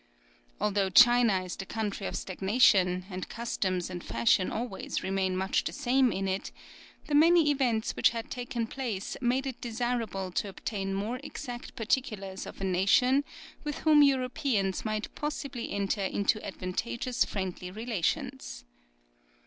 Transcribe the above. Although China is the country of stagnation, and customs and fashion always remain much the same in it, the many events which had taken place made it desirable to obtain more exact particulars of a nation with whom Europeans might possibly enter into advantageous friendly relations.